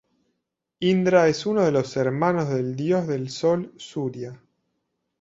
Indra es uno de los hermanos del dios del Sol Suria.